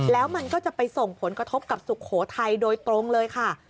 แล้วมันก็จะไปส่งผลกระทบกับสุโขทัยโดยตรงเลยค่ะ